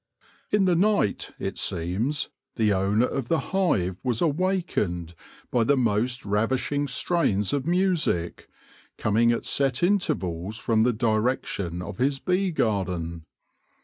In the night, it seems, the owner of the hive was awakened by the most ravishing strains of music, coming at set intervals from the direction of his bee garden.